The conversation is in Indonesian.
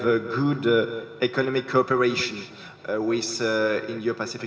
dan juga untuk berkomunikasi ekonomi di negara indo pasifik